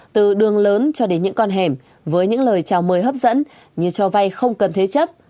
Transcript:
từ đường lớn cho đến những con hẻm với những lời chào mời hấp dẫn như cho vay không cần thế chấp